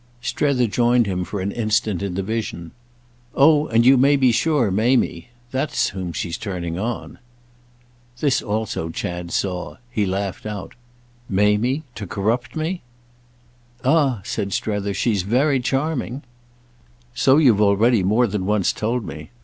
Strether joined him for an instant in the vision. "Oh and you may be sure Mamie. That's whom she's turning on." This also Chad saw—he laughed out. "Mamie—to corrupt me?" "Ah," said Strether, "she's very charming." "So you've already more than once told me.